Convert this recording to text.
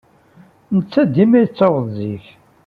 Netta dima yettaweḍ zik.